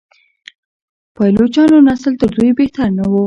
پایلوچانو نسل تر دوی بهتر نه و.